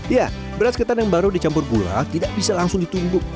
ya beras ketan yang baru dicampur gula tidak bisa langsung ditumbuk